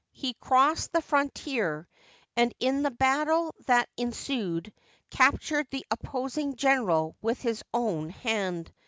He crossed the frontier, and in the battle that ensued captured the opposing general with his own hand.